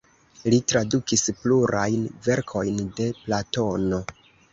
Li tradukis plurajn verkojn de Platono.